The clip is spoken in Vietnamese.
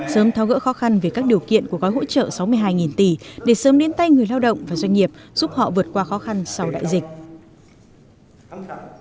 sớm thao gỡ khó khăn về các điều kiện của gói hỗ trợ sáu mươi hai tỷ để sớm đến tay người lao động và doanh nghiệp giúp họ vượt qua khó khăn sau đại dịch